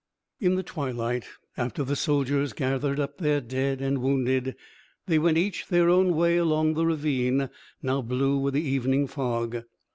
In the twilight, after the soldiers gathered up their dead and wounded, they went each their own way along the ravine, now blue with the evening fog.